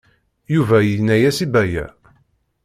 Yuba yenna-as i Baya.